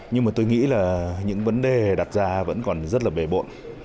nhưng mà tôi nghĩ là những vấn đề đặt ra vẫn còn rất là bề bộn